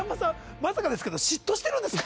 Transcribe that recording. まさかですけど嫉妬してるんですか？